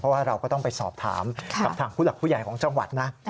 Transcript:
เพราะว่าเราก็ต้องไปสอบถามกับทางผู้หลักผู้ใหญ่ของจังหวัดนะ